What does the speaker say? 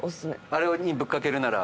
あれにぶっ掛けるなら。